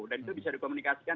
dan itu bisa dikomunikasikan